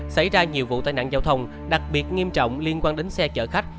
xảy ra nhiều vụ tai nạn giao thông đặc biệt nghiêm trọng liên quan đến xe chở khách